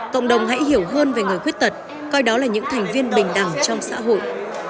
cộng đồng hãy hiểu hơn về người khuyết tật coi đó là những thành viên bình đẳng trong xã hội